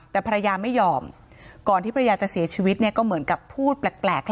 แต่ภรรยาไม่ยอมก่อนที่ภรรยาจะเสียชีวิตเนี่ยก็เหมือนกับพูดแปลก